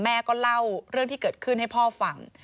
แม่ก็เล่าเรื่องที่เกิดขึ้นให้พ่อฟัง